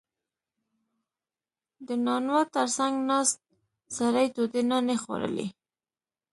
• د نانوا تر څنګ ناست سړی تودې نانې خوړلې.